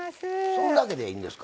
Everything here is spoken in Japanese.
そんだけでいいんですか。